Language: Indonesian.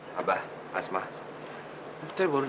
kau bisa kabur abah